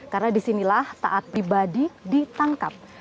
karena di sinilah taat pribadi ditangkap